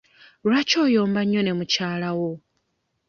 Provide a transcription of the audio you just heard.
Lwaki oyomba nnyo ne mukyalawo?